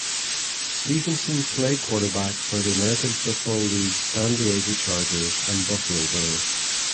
Stephenson played quarterback for the American Football League's San Diego Chargers and Buffalo Bills.